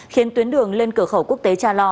khiến tuyến đường lên cửa khẩu quốc tế cha lo